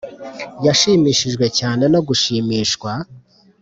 yashimishijwe cyane no gushimishwa